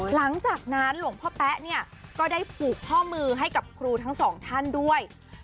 หลังจากนั้นหลวงพ่อแป๊ะเนี่ยก็ได้ผูกข้อมือให้กับครูทั้งสองท่านด้วย